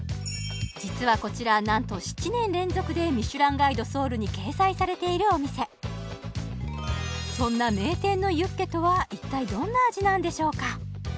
実はこちら何と７年連続で「ミシュランガイドソウル」に掲載されているお店そんな名店のユッケとは一体どんな味なんでしょうか？